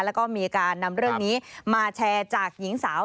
แล้วก็มีการนำเรื่องนี้มาแชร์จากหญิงสาว